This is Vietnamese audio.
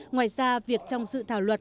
ngoài ra việc trong dự thảo luật